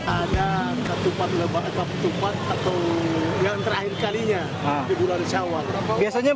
ada ketupat atau yang terakhir kalinya di bulan syawal